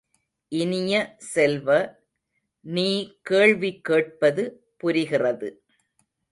இனிய செல்வ, நீ கேள்வி கேட்பது புரிகிறது.